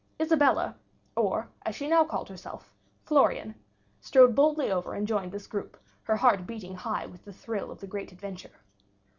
Isabella, or, as she now called herself, Florian, strode boldly over and joined this group, her heart beating high with the thrill of the great adventure.